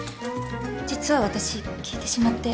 実は私聞いてしまって。